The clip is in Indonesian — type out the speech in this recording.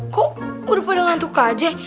kok udah pada ngantuk aja